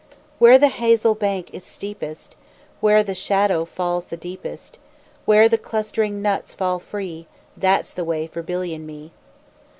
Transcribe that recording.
Where the hazel bank is steepest, Where the shadow falls the deepest, Where the clustering nuts fall free, That's the way for Billy and me.